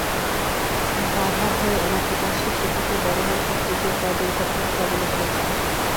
বাধ্য হয়ে এলাকাবাসী সেতুটি ব্যবহার করতে গিয়ে প্রায় দুর্ঘটনার কবলে পড়ছে।